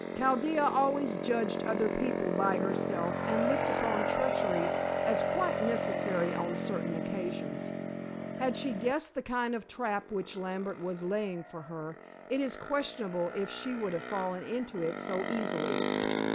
Chaldea always judged other people by herself, and looked upon treachery as quite necessary on certain occasions. Had she guessed the kind of trap which Lambert was laying for her, it is questionable if she would have fallen into it so easily.